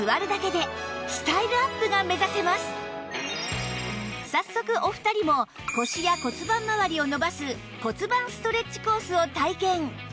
たった早速お二人も腰や骨盤まわりを伸ばす骨盤ストレッチコースを体験